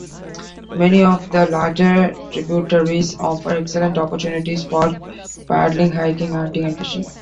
Many of the larger tributaries offer excellent opportunities for paddling, hiking, hunting, and fishing.